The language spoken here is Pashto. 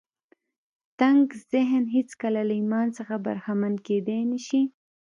تنګ ذهن هېڅکله له ایمان څخه برخمن کېدای نه شي